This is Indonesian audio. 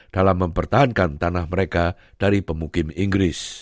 dalam mempertahankan tanah mereka dari pemukim inggris